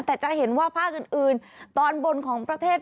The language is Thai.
แต่จะเห็นว่าภาคอื่นตอนบนของประเทศ